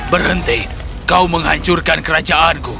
berhenti kau menghancurkan kerajaanku